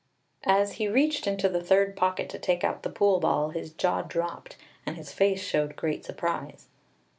As he reached into the third pocket to take out the pool ball, his jaw dropped, and his face showed great surprise.